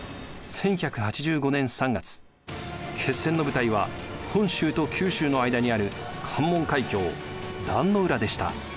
１１８５年３月決戦の舞台は本州と九州の間にある関門海峡壇の浦でした。